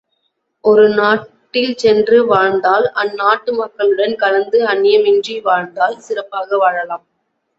ஒரு நாட்டில் சென்று வாழ்ந்தால், அந்நாட்டு மக்களுடன் கலந்து அந்நியமின்றி வாழ்ந்தால் சிறப்பாக வாழலாம்.